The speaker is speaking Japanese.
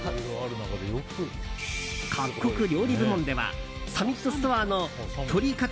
各国料理部門ではサミットストアの鶏かた